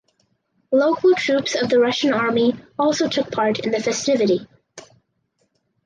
Local troops of the Russian army also took part in the festivity.